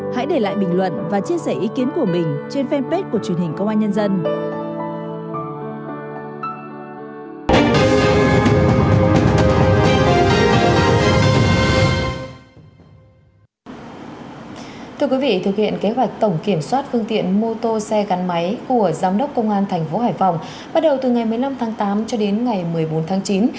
hãy để lại bình luận và chia sẻ ý kiến của mình trên fanpage của truyền hình công an nhân dân